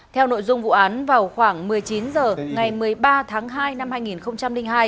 theo nội dung vụ án vào khoảng một mươi chín h ngày một mươi ba tháng hai năm hai nghìn hai